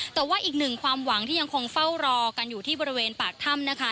แต่ว่าอีกหนึ่งความหวังที่ยังคงเฝ้ารอกันอยู่ที่บริเวณปากถ้ำนะคะ